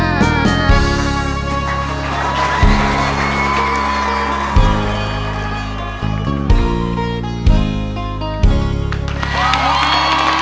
เก็บเอาไว้ก่อนคำว่าลาก่อนให้เป็นคือเก่าไอขอให้เจ้ากัน